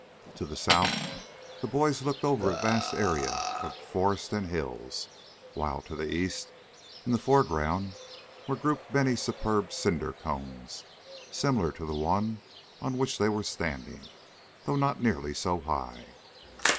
To the south the boys looked off over a vast area of forest and hills, while to the east in the foreground were grouped many superb cinder cones, similar to the one on which they were standing, though not nearly so high.